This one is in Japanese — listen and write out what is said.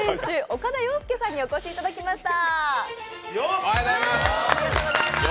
岡田洋輔さんにお越しいただきました。